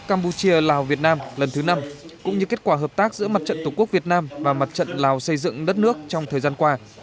campuchia lào việt nam lần thứ năm cũng như kết quả hợp tác giữa mặt trận tổ quốc việt nam và mặt trận lào xây dựng đất nước trong thời gian qua